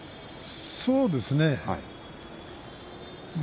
そうですね。